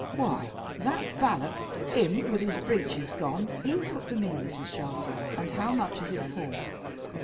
Why, that Balak, him with his breeches gone " "Who put them in, Mrs. Shelfer, and how much is it for?"